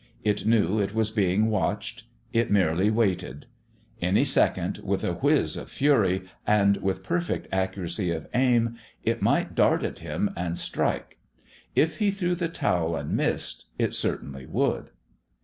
It knew it was being watched. It merely waited. Any second, with a whiz of fury, and with perfect accuracy of aim, it might dart at him and strike. If he threw the towel and missed it certainly would.